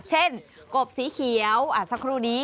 กบสีเขียวสักครู่นี้